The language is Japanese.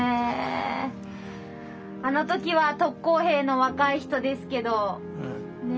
あの時は特攻兵の若い人ですけどね